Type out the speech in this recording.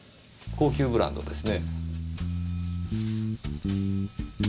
高級ブランドですね。